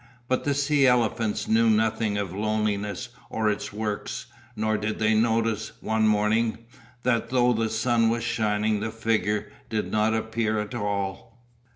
But the sea elephants knew nothing of Loneliness or its works, nor did they notice, one morning, that though the sun was shining the figure did not appear at all.